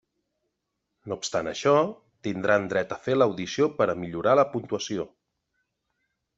No obstant això, tindran dret a fer l'audició per a millorar la puntuació.